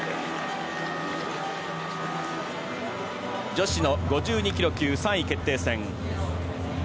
女子の５２ｋｇ級３位決定戦。